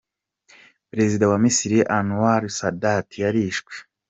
Perezida wa Misiri Anwar al Sadat yarishwe.